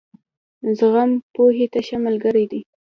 زغم، پوهې ته ښه ملګری دی.